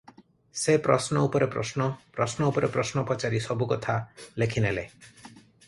ସେ ପ୍ରଶ୍ନ ଉପରେ ପ୍ରଶ୍ନ- ପ୍ରଶ୍ନ ଉପରେ ପ୍ରଶ୍ନ ପଚାରି ସବୁକଥା ଲେଖି ନେଲେ ।